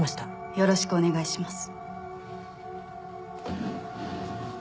よろしくお願いします。